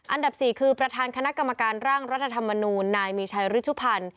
อันดับ๔คือประธานคณะกรรมการร่างรัฐธรรมนูลนายมีชัยฤชุพันธ์